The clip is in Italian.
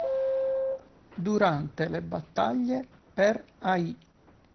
Durante le battaglie per Al.